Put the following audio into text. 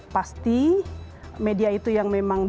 pasti media itu yang memang